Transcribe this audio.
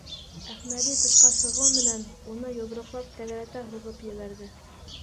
Әхмәҙи тышҡа сығыу менән уны йоҙроҡлап тәгәрәтә һуғып ебәрҙе.